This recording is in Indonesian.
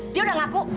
dia udah ngaku